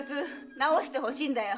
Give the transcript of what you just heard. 直してほしいんだよ。